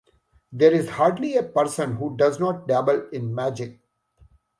There is hardly a person who does not dabble in magic.